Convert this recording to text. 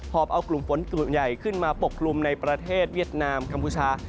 อบเอากลุ่มฝนกลุ่มใหญ่ขึ้นมาปกกลุ่มในประเทศเวียดนามกัมพูชา